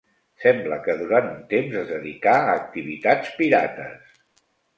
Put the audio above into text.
Sembla que durant un temps es dedicà a activitats pirates.